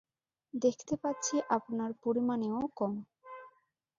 দেখতে পাচ্ছি আপনার পরিমাণেও কম।